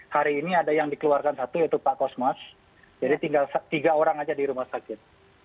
hari ini ada yang dikeluarkan satu yaitu pak kosmas jadi tinggal tiga orang saja di rumah sakit